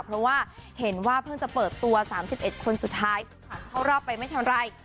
เพราะว่าเห็นว่าเพิ่งจะเปิดตัว๓๑คนสุดท้ายผ่านเข้ารอบไปไม่ทันไร